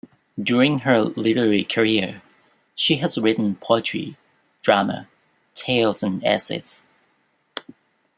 During her literary career, she has written poetry, drama, tales and essays.